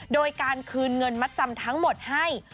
โดยการคืนเงินมัดจำทั้งหมดให้